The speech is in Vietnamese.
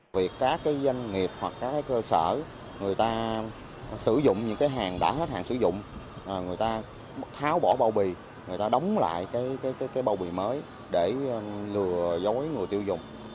việc các doanh nghiệp hoặc các cơ sở người ta sử dụng những hàng đã hết hạn sử dụng người ta tháo bỏ bao bì người ta đóng lại bao bì mới để lừa dối người tiêu dùng